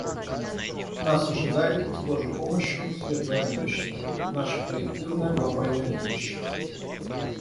Нас ожидает, с Божьей помощью, светлое будущее — наше коллективное глобальное будущее.